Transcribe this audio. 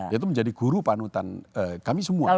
yaitu menjadi guru panutan kami semua